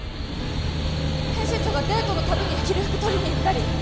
編集長がデートのたびに着る服取りに行ったり